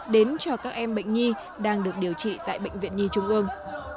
đến cho các em bệnh nhi đang được điều trị tại bệnh viện nhi trung ương